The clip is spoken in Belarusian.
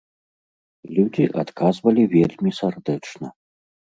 Людзі адказвалі вельмі сардэчна.